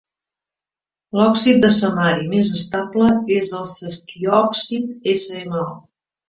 L'òxid de samari més estable és el sesquioòxid SmO.